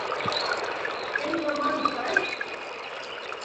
Эрька ванцаськ.